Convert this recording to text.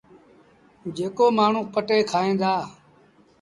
جيڪو مآڻهوٚݩ پٽي کائيٚݩ دآ۔